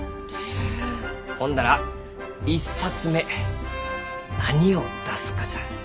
ほんなら１冊目何を出すかじゃ。